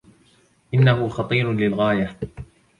إنه خطير للغاية.